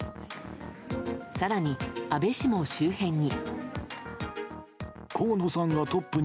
更に、安倍氏も周辺に。